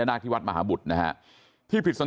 สวัสดีครับคุณผู้ชาย